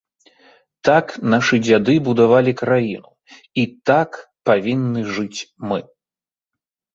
Так нашы дзяды будавалі краіну, і так павінны жыць мы.